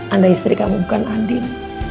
anda istri kamu bukan andin